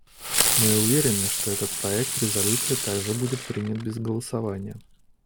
Мы уверены, что этот проект резолюции также будет принят без голосования.